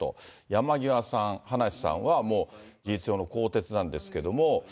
山際さん、葉梨さんは、もう事実上の更迭なんですけれども。